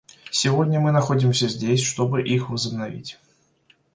Сегодня мы находимся здесь, чтобы их возобновить.